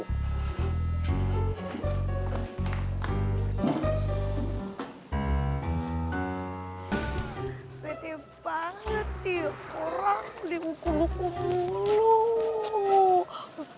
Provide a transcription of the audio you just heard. beti banget sih orang dihukum hukum dulu